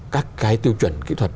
các cái tiêu chuẩn kỹ thuật